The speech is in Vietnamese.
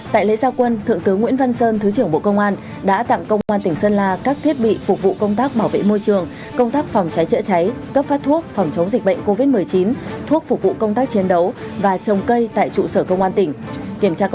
tại lễ gia quân thượng tướng nguyễn văn sơn thứ trưởng bộ công an đã tặng công an tỉnh sơn la các thiết bị phục vụ công tác bảo vệ môi trường công tác phòng cháy chữa cháy cấp phát thuốc phòng chống dịch bệnh covid một mươi chín thuốc phục vụ công tác chiến đấu và trồng cây tại trụ sở công an tỉnh